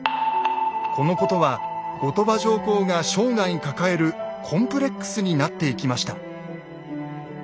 このことは後鳥羽上皇が生涯抱えるコンプレックスになっていきました。